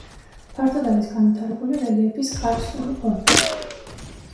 ფართოდ არის განვითარებული რელიეფის კარსტული ფორმები.